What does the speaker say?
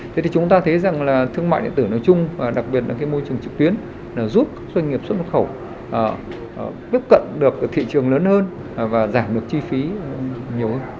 thế thì chúng ta thấy rằng là thương mại điện tử nói chung và đặc biệt là cái môi trường trực tuyến giúp các doanh nghiệp xuất khẩu tiếp cận được thị trường lớn hơn và giảm được chi phí nhiều hơn